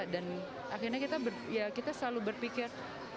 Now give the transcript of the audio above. dan akhirnya kita selalu berpikir